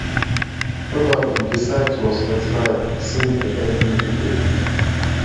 Probably the site was fortified since the Early Middle Ages.